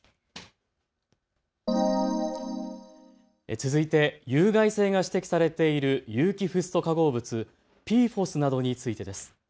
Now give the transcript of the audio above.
続いて有害性が指摘されている有機フッ素化合物、ＰＦＯＳなどについてです。